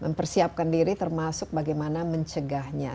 mempersiapkan diri termasuk bagaimana mencegahnya